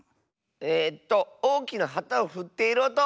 えっとおおきなはたをふっているおと！